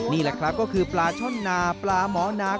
นี่แหละครับก็คือปลาช่อนนาปลาหมอนา